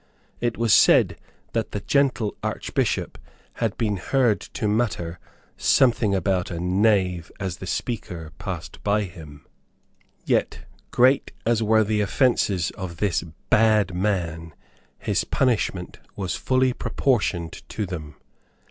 It was said that the gentle Archbishop had been heard to mutter something about a knave as the Speaker passed by him. Yet, great as were the offences of this bad man, his punishment was fully proportioned to them.